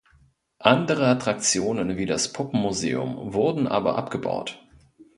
Andere Attraktionen wie das Puppenmuseum wurden aber abgebaut.